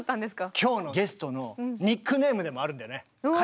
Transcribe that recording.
今日のゲストのニックネームでもあるんだよね。